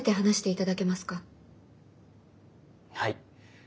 はい。